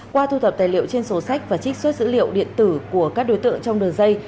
qua thu thập tài liệu trên sổ sách và trích xuất dữ liệu điện tử của các đối tượng trong đường dây